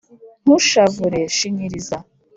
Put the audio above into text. ntushavure shinyiriza